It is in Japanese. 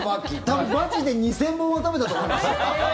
多分、マジで２０００本は食べたと思いますよ。